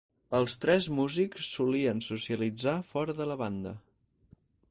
Els tres músics solien socialitzar fora de la banda.